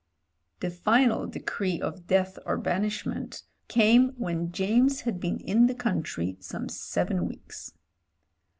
The final decree of death or banishment came when James had been in the country some seven weeks.